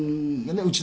うち